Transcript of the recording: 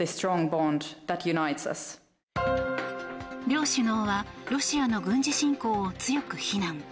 両首脳はロシアの軍事侵攻を強く非難。